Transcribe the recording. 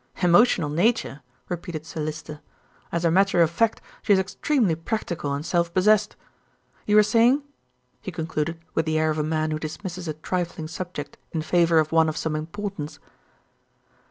"Emotional nature!" repeated Sir Lyster. "As a matter of fact she is extremely practical and self possessed. You were saying " he concluded with the air of a man who dismisses a trifling subject in favour of one of some importance.